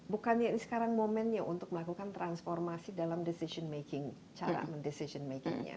bukannya ini sekarang momennya untuk melakukan transformasi dalam decision making cara decision making nya